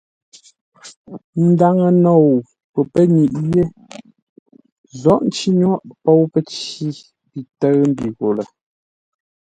Ndaŋə nou pəpə́nyiʼi yé, Nzoghʼ nci nyôghʼ póu pəcǐ pi tə́ʉ mbi gho lə.